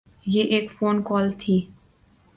یہ ایک phone call تھی۔